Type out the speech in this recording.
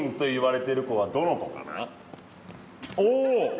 おお！